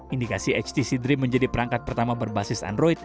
indikasi htc dream menjadi perangkat pertama berbasis android